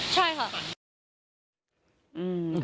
ใช่ค่ะ